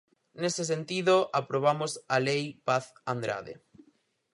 Nese sentido, aprobamos a Lei Paz Andrade.